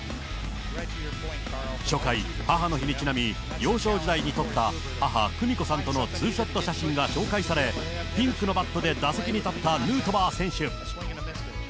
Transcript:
初回、母の日にちなみ、幼少時代に撮った母、久美子さんとのツーショット写真が紹介され、ピンクのバットで打席に立ったヌートバー選手。